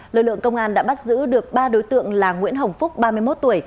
lực lượng công an đã bắt giữ được ba đối tượng là nguyễn hồng phúc ba mươi một tuổi